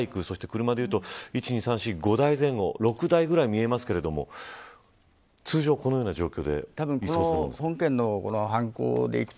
車でいうと５台前後６台ぐらいに見えますが通常、このような状況で移送するんですか。